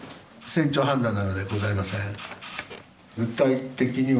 船長判断なのでございません。